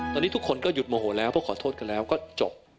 ตอนนี้ทุกคนก็หยุดโมโหแล้วเพราะขอโทษกันแล้วก็จบ